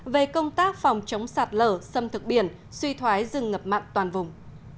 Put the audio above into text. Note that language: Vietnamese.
về công tác phòng chống sạt lở xâm thực biển suy thoái rừng ngập mặn toàn vùng